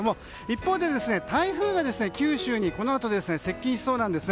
一方で、台風が九州にこのあと接近しそうなんです。